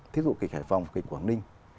thí dụ kịch hải phòng kịch quảng ninh